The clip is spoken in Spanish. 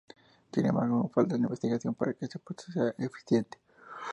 Sin embargo aún falta investigación para que este proceso sea eficiente.